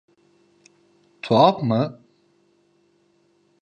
Tuhaf mı?